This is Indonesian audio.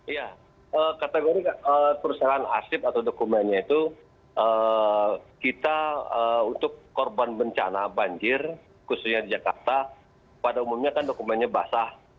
iya kategori perusahaan asip atau dokumennya itu kita untuk korban bencana banjir khususnya di jakarta pada umumnya kan dokumennya basah